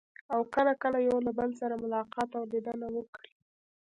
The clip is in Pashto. او کله کله یو بل سره ملاقات او لیدنه وکړي.